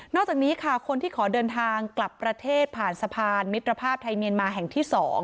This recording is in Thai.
จากนี้ค่ะคนที่ขอเดินทางกลับประเทศผ่านสะพานมิตรภาพไทยเมียนมาแห่งที่๒